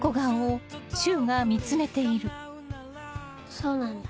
そうなんだ